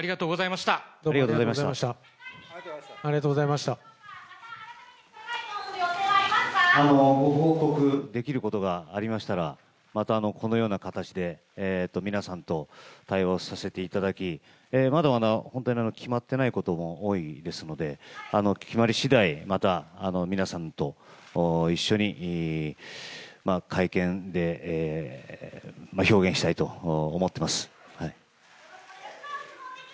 また改めて記者会見する予定ご報告するようなことがありましたら、またこのような形で皆さんと対話をさせていただき、まだまだ本当に決まってないことも多いですので、決まりしだい、また、皆さんと一緒に、会見で表現したいと思ってます。